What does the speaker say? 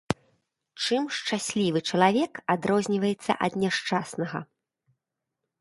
Чым шчаслівы чалавек адрозніваецца ад няшчаснага?